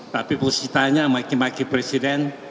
tapi posisinya makin makin presiden